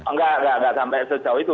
enggak enggak sampai sejauh itu